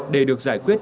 để được giải quyết